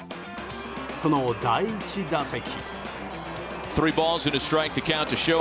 その第１打席。